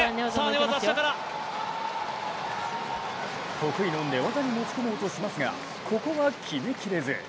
得意の寝技に持ち込もうとしますが、ここは決めきれず。